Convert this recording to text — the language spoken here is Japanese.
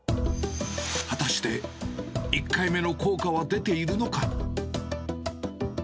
果たして１回目の効果は出ているのか。